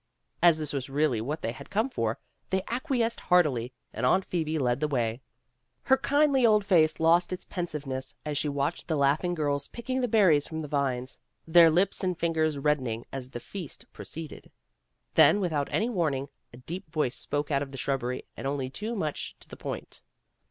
As this was really what they had come for, they acquiesced heartily, and Aunt Phoebe led the way. Her kindly old face lost its pensiveness as she watched the laughing girls picking the berries from the vines, their lips and fingers reddening as the feast pro ceeded. Then without any warning, a deep voice spoke out of the shrubbery, and only too much to the point.